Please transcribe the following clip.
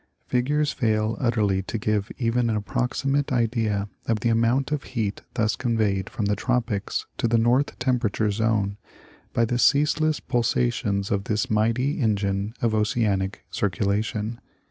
Figures fail utterly to give even an approximate idea of the amount of heat thus conveyed from the tropics to the north temperate zone by the ceaseless pulsations of this mighty engine of oceanic circulation.